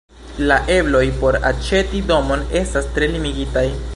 La ebloj por aĉeti domon estas tre limigitaj.